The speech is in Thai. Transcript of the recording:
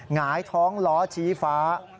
หงายท้องล้อชี้ฟ้า